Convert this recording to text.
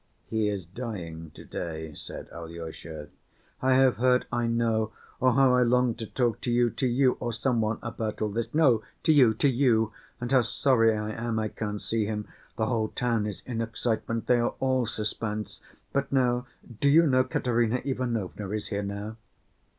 "He is dying to‐day," said Alyosha. "I have heard, I know, oh, how I long to talk to you, to you or some one, about all this. No, to you, to you! And how sorry I am I can't see him! The whole town is in excitement, they are all suspense. But now—do you know Katerina Ivanovna is here now?"